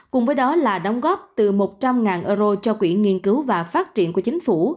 cùng với đó là đóng góp từ một trăm linh euro cho quỹ nghiên cứu và phát triển của chính phủ